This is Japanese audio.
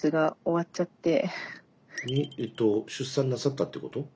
えっと出産なさったってこと？